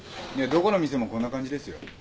どこの店もこんな感じですよ。